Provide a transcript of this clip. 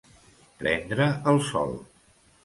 Prendre el sol.